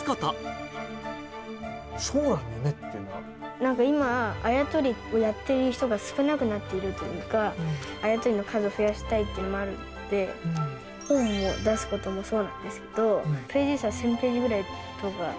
なんか今、あや取りをやっている人が少なくなっているというか、あや取りの数を増やしたいというのもあるので、本を出すこともそうなんですけど、ページ数は１０００ページぐらいとか。